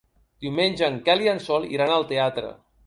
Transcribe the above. Diumenge en Quel i en Sol iran al teatre.